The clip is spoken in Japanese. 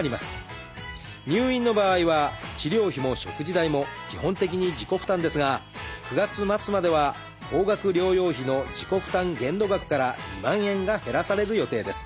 入院の場合は治療費も食事代も基本的に自己負担ですが９月末までは高額療養費の自己負担限度額から２万円が減らされる予定です。